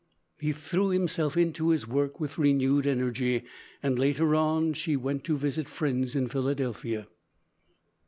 He threw himself into his work with renewed energy, and later on she went to visit friends in Philadelphia.